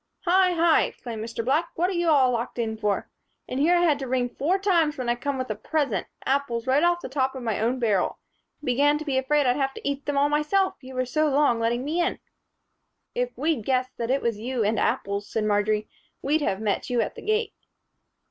"Hi, hi!" exclaimed Mr. Black. "What are you all locked in for? And here I had to ring four times when I came with a present apples right off the top of my own barrel. Began to be afraid I'd have to eat them all myself, you were so long letting me in." "If we'd guessed that it was you and apples," said Marjory, "we'd have met you at the gate."